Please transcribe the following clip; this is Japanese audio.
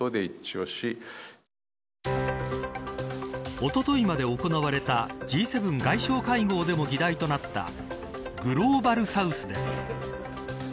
おとといまで行われたＧ７外相会合でも議題となったグローバル・サウスです。